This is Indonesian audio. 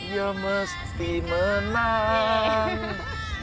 ya mesti menang